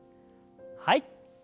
はい。